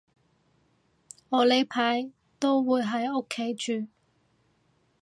我呢排都會喺屋企住